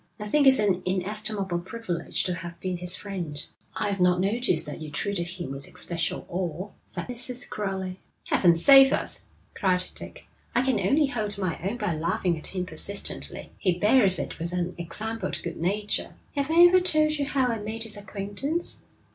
I think it's an inestimable privilege to have been his friend.' 'I've not noticed that you treated him with especial awe,' said Mrs. Crowley. 'Heaven save us!' cried Dick. 'I can only hold my own by laughing at him persistently.' 'He bears it with unexampled good nature.' 'Have I ever told you how I made his acquaintance?